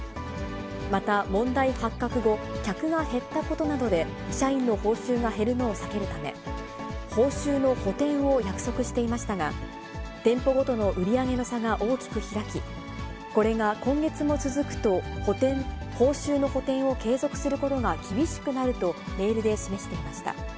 また、問題発覚後、客が減ったことなどで、社員の報酬が減るのを避けるため、報酬の補填を約束していましたが、店舗ごとの売り上げの差が大きく開き、これが今月も続くと、報酬の補填を継続することが厳しくなるとメールで示していました。